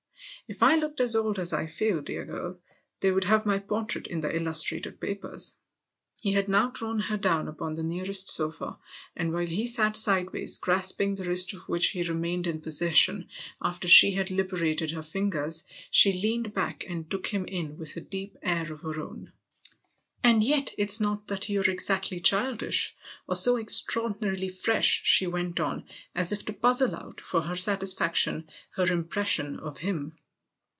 "If I looked as old as I feel, dear girl, they'd have my portrait in the illustrated papers." He had now drawn her down upon the nearest sofa, and while he sat sideways, grasping the wrist THE OTHER HOUSE 41 of which he remained in possession after she had liberated her fingers, she leaned back and took him in with a deep air of her own. " And yet it's not that you're exactly childish or so extraordinarily fresh," she went on as if to puzzle out, for her satisfaction, her impression of him.